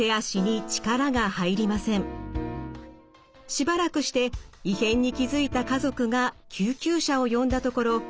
しばらくして異変に気付いた家族が救急車を呼んだところ